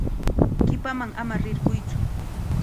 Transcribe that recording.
Qipaman ama rirquytsu.